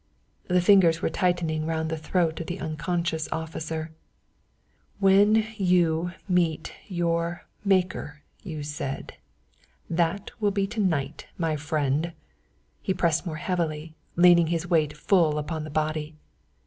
The fingers were tightening round the throat of the unconscious officer. "When you meet your Maker, you said. That will be to night, my friend." He pressed more heavily, leaning his weight full upon the body.